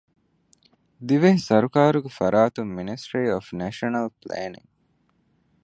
ދިވެހި ސަރުކާރުގެ ފަރާތުން މިނިސްޓްރީ އޮފް ނޭޝަނަލް ޕްލޭނިންގ،